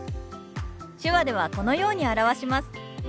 手話ではこのように表します。